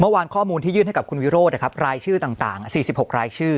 เมื่อวานข้อมูลที่ยื่นให้กับคุณวิโรธรายชื่อต่าง๔๖รายชื่อ